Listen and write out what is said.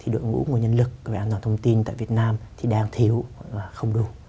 đội ngũ ngũ nhân lực về an toàn thông tin tại việt nam đang thiếu không đủ